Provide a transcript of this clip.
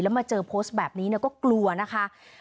มาเจอโพสต์แบบนี้ก็กลัวนะคะ